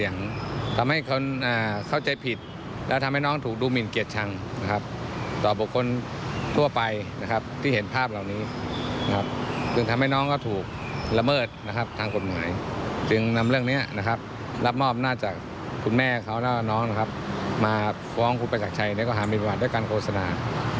ในข้อหามิลประมาทด้วยการโฆษณา